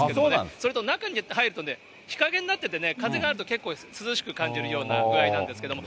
それと中に入るとね、日陰になっててね、風があると、結構涼しく感じるような具合なんですけど。